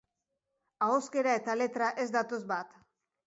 Ahoskera eta letra ez datoz bat.